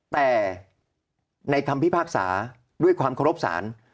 แต่ในคำพิพากษาด้วยความเคารพศาล